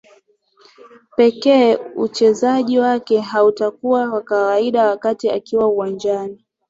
Pekee uchezaji wake haukuwa wa kawaida wakati akiwa uwanjani